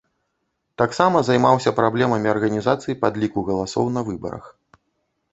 Таксама займаўся праблемамі арганізацыі падліку галасоў на выбарах.